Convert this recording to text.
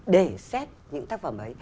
để xét những tác phẩm ấy